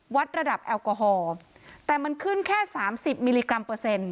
วัดระดับแอลกอฮอล์แต่มันขึ้นแค่สามสิบมิลลิกรัมเปอร์เซ็นต